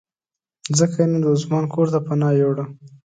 ځکه یې نو د عثمان کورته پناه یووړه.